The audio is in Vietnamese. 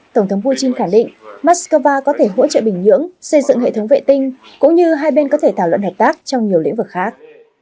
tổng thống putin khẳng định moscow có thể hỗ trợ bình nhưỡng xây dựng hệ thống vệ tinh cũng như hai bên có thể thảo luận hợp tác trong nhiều lĩnh vực khác